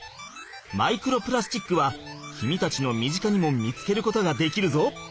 マイクロプラスチックは君たちの身近にも見つけることができるぞ。